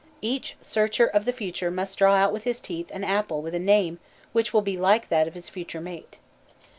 Each searcher of the future must draw out with his teeth an apple with a name which will be like that of his future mate.